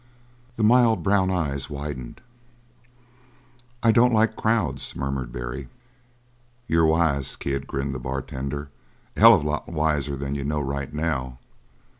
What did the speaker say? The mild, brown eyes widened. "I don't like crowds," murmured Barry. "You're wise, kid," grinned the bartender "a hell of a lot wiser than you know right now.